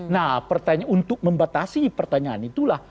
nah pertanyaan untuk membatasi pertanyaan itulah